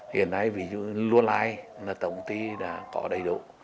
hiện nay vì lúa lai tổng ty đã có đầy đủ